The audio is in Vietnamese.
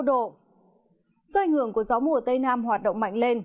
do ảnh hưởng của gió mùa tây nam hoạt động mạnh lên